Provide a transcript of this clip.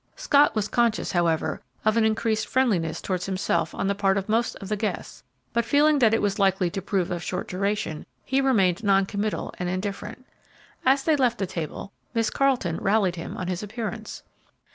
Scott was conscious, however, of an increased friendliness towards himself on the part of most of the guests, but feeling that it was likely to prove of short duration, he remained noncommittal and indifferent. As they left the table, Miss Carleton rallied him on his appearance.